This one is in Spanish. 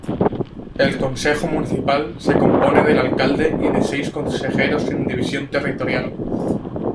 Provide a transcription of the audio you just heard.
El consejo municipal se compone del alcalde y de seis consejeros sin división territorial.